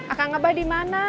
akang abah di mana